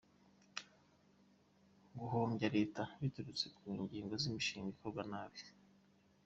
Guhombya leta biturutse ku nyigo z’imishinga ikorwa nabi .